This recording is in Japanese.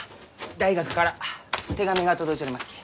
大学から手紙が届いちょりますき。